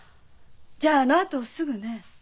じゃああのあとすぐね。